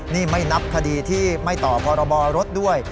นี่ไม่นับคดีที่ไม่ต่อพรบรถด้วย